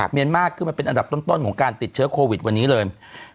นมากขึ้นมันเป็นอันดับต้นของการติดเชื้อโควิดวันนี้เลย